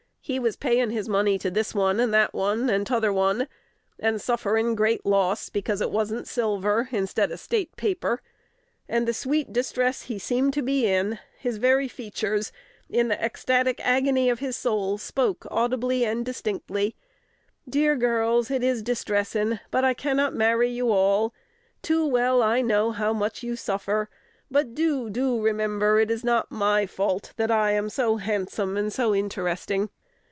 "He was paying his money to this one, and that one, and t'other one, and sufferin' great loss because it wasn't silver instead of State paper; and the sweet distress he seemed to be in, his very features, in the ecstatic agony of his soul, spoke audibly and distinctly, 'Dear girls, it is distressing, but I cannot marry you all. Too well I know how much you suffer; but do, do remember, it is not my fault that I am so handsome and so interesting.'